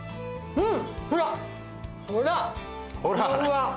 うん！